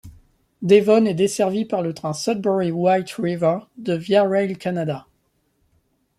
Devon est desservie par le train Sudbury-White River de Via Rail Canada.